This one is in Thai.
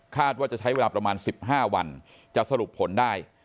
ว่าจะใช้เวลาประมาณ๑๕วันจะสรุปผลได้